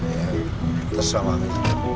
ya terserah mami